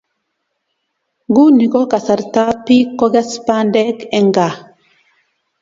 Nguni ko kasarta ab biik ko kes bandek eng' kaa